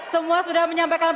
semua sudah menyampaikan